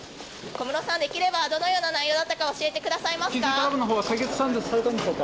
小室さん、できればどのような内容だったか教えてくださいますか。